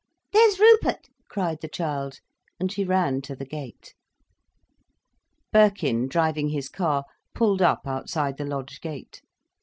"There's Rupert!" cried the child, and she ran to the gate. Birkin, driving his car, pulled up outside the lodge gate.